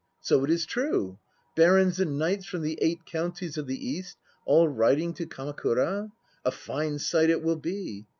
So it is true. Barons and knights from the Eight Counties of the East all riding to Kamakura! A fine sight it will be.